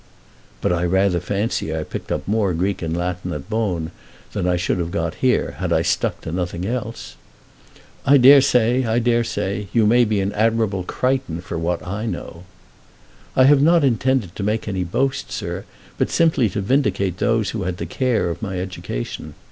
"But I rather fancy I picked up more Greek and Latin at Bohn than I should have got here, had I stuck to nothing else." "I dare say; I dare say. You may be an Admirable Crichton for what I know." "I have not intended to make any boast, sir, but simply to vindicate those who had the care of my education.